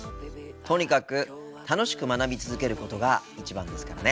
とにかく楽しく学び続けることが一番ですからね。